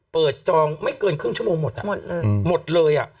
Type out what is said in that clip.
เปิดจองไม่เกินครึ่งชั่วโมงหมดอ่ะหมดเลยอ่ะ